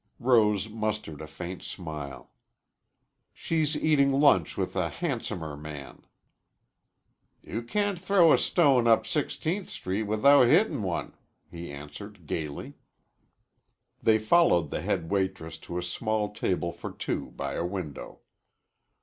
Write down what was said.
Rose mustered a faint smile. "She's eating lunch with a handsomer man." "You can't throw a stone up Sixteenth Street without hittin' one," he answered gayly. They followed the head waitress to a small table for two by a window.